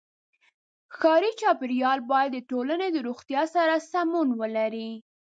ښاري چاپېریال باید د ټولنې د روغتیا سره سمون ولري.